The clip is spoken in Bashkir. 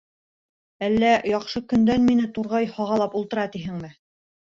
Әллә яҡшы көндән мине турғай һағалап ултыра тиһеңме.